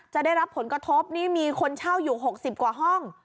จะได้รับผลกระทบนี่มีคนเช่าอยู่๖๐กว่าห้อง